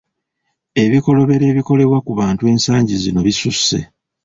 Ebikolobero ebikolebwa ku bantu ensangi zino bisusse.